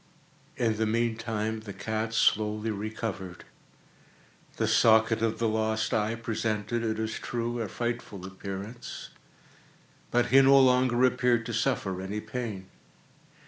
In the meantime the cat slowly recovered. The socket of the lost eye presented, it is true, a frightful appearance, but he no longer appeared to suffer any pain.